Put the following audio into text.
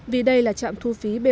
vì đây là trạm thu phí bot